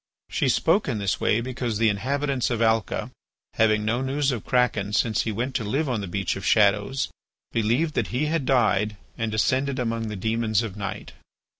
She spoke in this way because the inhabitants of Alca, having no news of Kraken since he went to live on the Beach of Shadows, believed that he had died and descended among the demons of night.